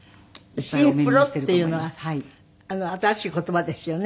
シンフロっていうのは新しい言葉ですよね？